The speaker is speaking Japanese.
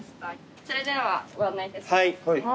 それではご案内いたします。